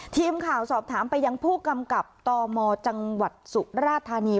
ทีมข่าวสอบถามไปยังผู้กำกับตมจังหวัดสุราธานี